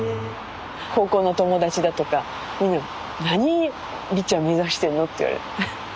高校の友達だとかみんな「何りっちゃん目指してんの？」って言われる。